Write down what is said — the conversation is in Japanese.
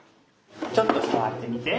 ちょっとさわってみて。